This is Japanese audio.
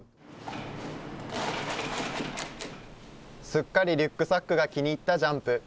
すっかりリュックサックが気に入ったジャンプ。